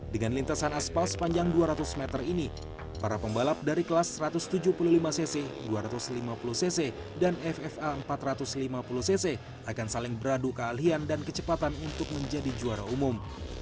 dengan lintasan aspal sepanjang dua ratus meter ini para pembalap dari kelas satu ratus tujuh puluh lima cc dua ratus lima puluh cc dan ffa empat ratus lima puluh cc akan saling beradu kealian dan kecepatan untuk menjadi juara umum